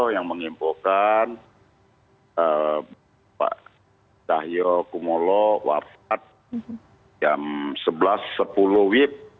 yang mengimpulkan pak cahyokumolo wafat jam sebelas sepuluh wib